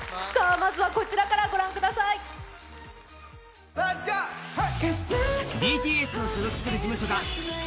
まずはこちらからご覧ください。